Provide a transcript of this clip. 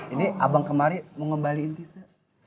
ini abang kemari mau ngembaliin tise